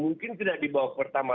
mungkin tidak dibawa pertama